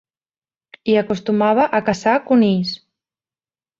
Hi acostumava a caçar conills.